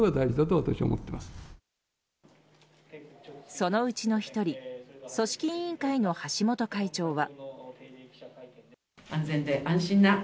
そのうちの１人組織委員会の橋本会長は。